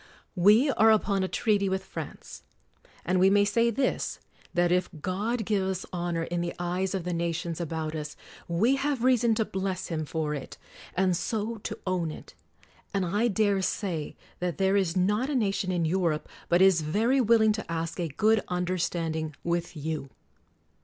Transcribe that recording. We are upoa a treaty with France. And we may say this, that if God give us honor in the eyes of the nations about us, we have reason to bless Him: for it, and so to own it. And I dare say that there is not a nation in Europe but is very will ing to ask a good understanding with you.